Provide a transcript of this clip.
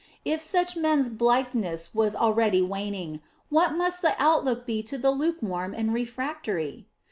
If such men's blitheness was already waning, what must the outlook be to the lukewarm and refractory!